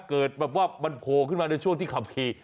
เกิดแบบว่ามันโผล่ขึ้นมาในช่วงที่ขับขี่